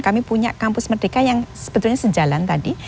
kami punya kampus merdeka yang sebetulnya sejalan tadi